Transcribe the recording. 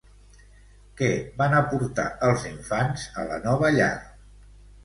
Què van aportar els infants a la nova llar?